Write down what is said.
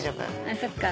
そっか。